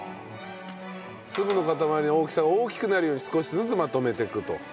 粒の固まりの大きさが大きくなるように少しずつまとめてくと。